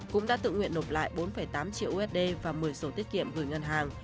cũng đã tự nguyện nộp lại bốn tám triệu usd và một mươi sổ tiết kiệm gửi ngân hàng